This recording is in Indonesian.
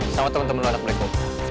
sama temen temen lo anak mereka